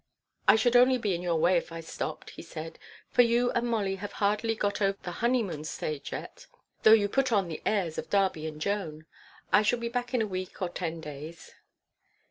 'I should only be in your way if I stopped,' he said, 'for you and Molly have hardly got over the honeymoon stage yet, though you put on the airs of Darby and Joan. I shall be back in a week or ten days.'